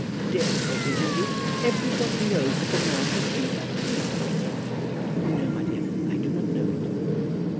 "Difficulties indeed! Everybody knows that the man has been a thief." "No, my dear; I do not know it."